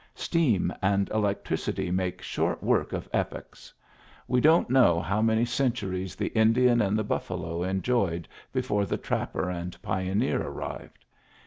Steam and electricity make short work of epochs. We Digitized by VjOOQIC lO PBIEFACE don't know how many centuries the Indian and the buffalo enjoyed before the trapper and pioneer arrived.